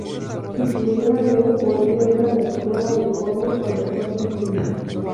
Si pudiera ver podría ir a la escuela del pueblo con los otros niños.